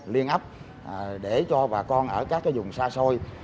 liên ấp để cho bà con ở các vùng xa xôi